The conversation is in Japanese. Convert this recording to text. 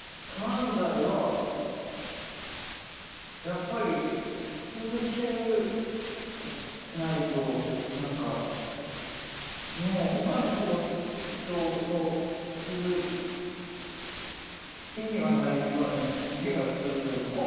◆漫才は、やっぱり続けないと、なんか、もうほかの仕事をする意味がないような気がするというか。